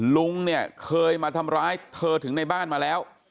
ลุงเนี่ยเคยมาทำร้ายเธอถึงในบ้านมาแล้ว